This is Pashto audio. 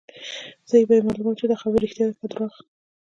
زه به يې معلوموم چې دا خبره ريښتیا ده که درواغ.